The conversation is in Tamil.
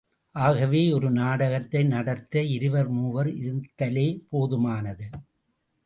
ஆகவே, ஒரு நாடகத்தை நடத்த இருவர் மூவர் இருத்தலே போதுமானது.